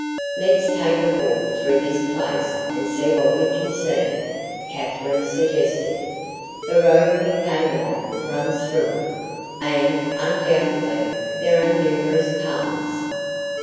"Let's take a walk through this place and see what we can see," Katherine suggested. "The road we came along runs through it and undoubtedly there are numerous paths."